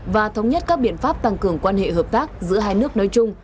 và thống nhất các biện pháp tăng cường quan hệ hợp tác giữa hai nước nói chung